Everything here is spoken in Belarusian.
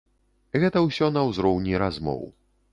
Гэта ўсё на ўзроўні размоў.